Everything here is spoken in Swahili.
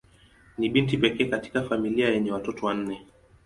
Ni binti pekee katika familia yenye watoto nane.